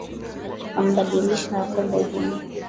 Ukambadilisha Yakobo jina.